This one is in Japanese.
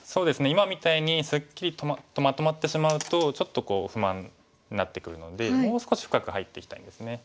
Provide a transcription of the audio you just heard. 今みたいにすっきりとまとまってしまうとちょっと不満になってくるのでもう少し深く入っていきたいんですね。